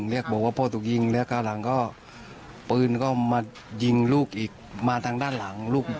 เรียกบอกว่าพ่อถูกยิงแล้วคราวหลังก็ปืนก็มายิงลูกอีกมาทางด้านหลังลูก